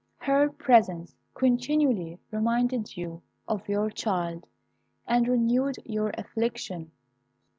Her presence continually reminded you of your child, and renewed your affliction.